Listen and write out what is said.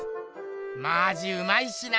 マジうまいしな！